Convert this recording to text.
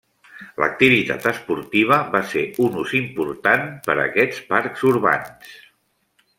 L'activitat esportiva va ser un ús important per a aquests parcs urbans.